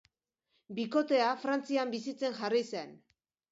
Bikotea Frantzian bizitzen jarri zen.